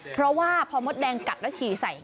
เพราะว่าพอมดแดงกัดแล้วฉี่ใส่